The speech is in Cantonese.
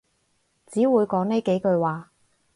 只會講呢幾句話